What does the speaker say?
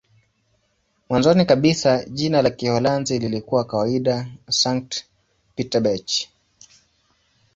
Mwanzoni kabisa jina la Kiholanzi lilikuwa kawaida "Sankt-Pieterburch".